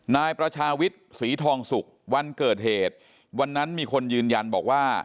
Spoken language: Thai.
นายประชาวิทย์ศรีทองสุกวันเกิดเหตุวันนั้นมีคนยืนยันบอกว่า